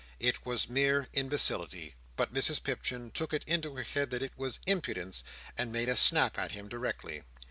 It was mere imbecility; but Mrs Pipchin took it into her head that it was impudence, and made a snap at him directly.